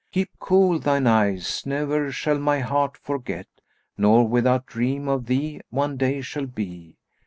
Keep cool thine eyes; ne'er shall my heart forget, * Nor without dream of thee one day shall be.